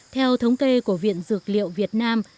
theo thống kê của viện dược liệu việt nam